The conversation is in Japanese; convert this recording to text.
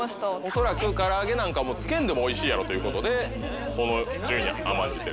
恐らく唐揚げなんかもうつけんでもおいしいやろということでこの順位に甘んじてる。